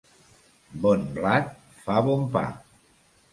Bon blat fa bon pa.